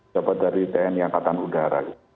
dapat dari tni angkatan udara